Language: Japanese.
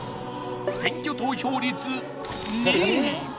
選挙投票率２位。